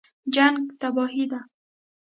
جنګ تباهي ده